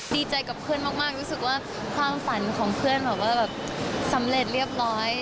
ดีใจกับเพื่อนมากรู้สึกว่าความฝันของเพื่อนแบบว่าแบบสำเร็จเรียบร้อย